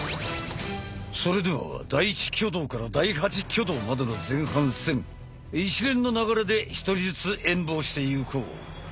それでは第１挙動から第８挙動までの前半戦一連の流れで一人ずつ演武をしていこう！